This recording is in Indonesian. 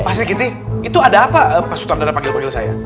pak sri giti itu ada apa pas sutradara panggil panggil saya